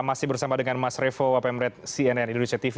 masih bersama dengan mas revo wapemret cnn indonesia tv